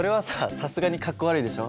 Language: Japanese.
さすがにかっこ悪いでしょ。